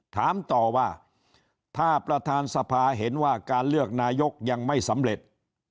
ถามต่อว่าถ้าประธานสภาเห็นว่าการเลือกนายกยังไม่สำเร็จ